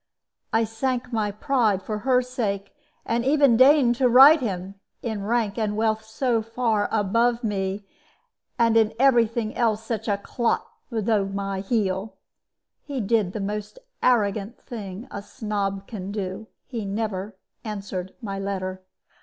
I sank my pride for her sake, and even deigned to write to him, in rank and wealth so far above me, in every thing else such a clot below my heel. He did the most arrogant thing a snob can do he never answered my letter.